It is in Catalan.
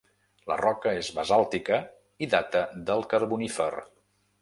La roca és basàltica i data del Carbonífer.